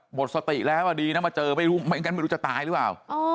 หมดสติแล้วดีนะมาเจอไม่รู้จะตายหรือเปล่า